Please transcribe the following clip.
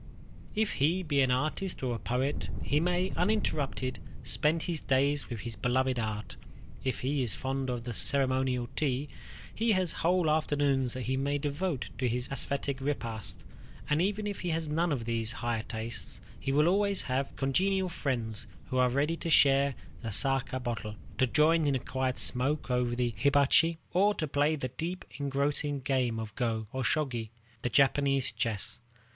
If he be an artist or a poet, he may, uninterrupted, spend his days with his beloved art. If he is fond of the ceremonial tea, he has whole afternoons that he may devote to this æsthetic repast; and even if he has none of these higher tastes, he will always have congenial friends who are ready to share the saké bottle, to join in a quiet smoke over the hibachi, or to play the deep engrossing game of go, or shogi, the Japanese chess.